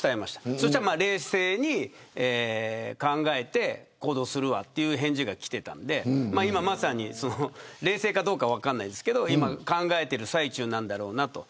そうしたら冷静に考えて行動するわという返事が来ていたんで今まさに、冷静かどうか分かりませんけど考えている最中だろうと。